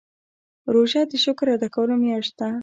روژه د شکر ادا کولو میاشت ده.